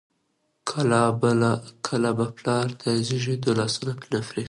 کلابه! پلار دې رېږدېدلي لاسونه پرېښود